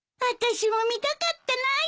私も見たかったな。